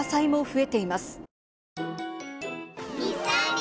え‼